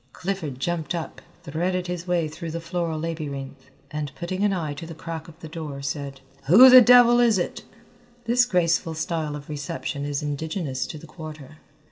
Clifford jumped up, threaded his way through the floral labyrinth, and putting an eye to the crack of the door, said, "Who the devil is it?" This graceful style of reception is indigenous to the Quarter.